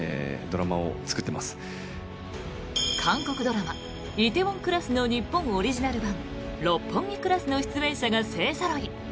韓国ドラマ「梨泰院クラス」の日本オリジナル版「六本木クラス」の出演者が勢ぞろい。